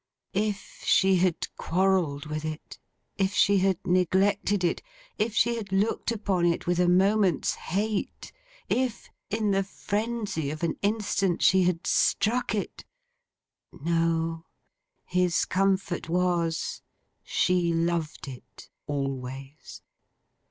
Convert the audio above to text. If she had quarrelled with it; if she had neglected it; if she had looked upon it with a moment's hate; if, in the frenzy of an instant, she had struck it! No. His comfort was, She loved it always.